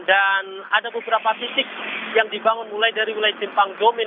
dan ada beberapa titik yang dibangun mulai dari wilayah jimpang jomin